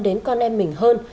đến con em mình hơn